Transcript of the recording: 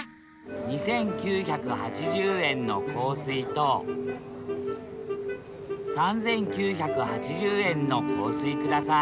２，９８０円の香水と３，９８０円の香水ください